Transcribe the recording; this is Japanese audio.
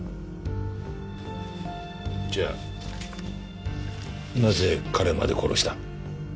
じゃあなぜ彼まで殺した？